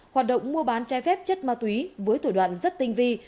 hoạt động mua bán chai phép chất ma túy với thủy đoạn rất tinh vi